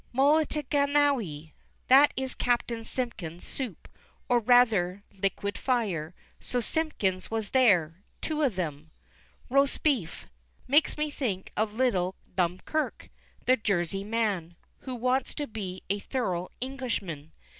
'Mulligatawny.' That is Captain Simpkin's soup, or rather liquid fire, so Simpkins was there. Two of them. 'Roast Beef.' Makes me think of little Dumerque, the Jersey man, who wants to be a thorough Englishman.